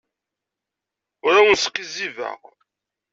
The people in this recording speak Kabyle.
Ur awen-sqizzibeɣ.